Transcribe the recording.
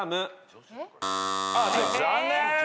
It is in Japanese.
残念！